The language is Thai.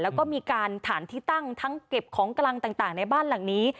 แล้วก็มีการฐานที่ตั้งทั้งเก็บของกลางต่างในบ้านหลังนี้